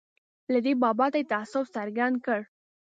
له دې بابته یې تأسف څرګند کړ.